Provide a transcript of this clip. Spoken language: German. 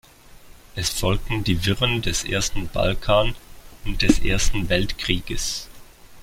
Es folgten die Wirren des Ersten Balkan- und des Ersten Weltkrieges.